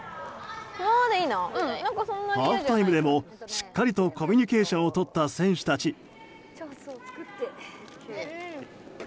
ハーフタイムでもしっかりとコミュニケーションをとった選手たち。